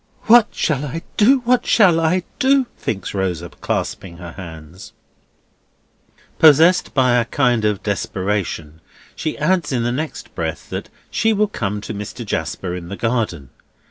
"What shall I do! what shall I do!" thinks Rosa, clasping her hands. Possessed by a kind of desperation, she adds in the next breath, that she will come to Mr. Jasper in the garden.